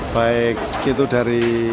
baik itu dari